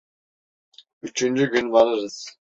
Üçüncü gün varırız.